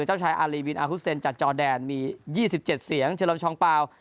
เจ้าชายอารีวินอาฮุสเซนจากจอแดนมี๒๗เสียงเฉลิมชองเปล่า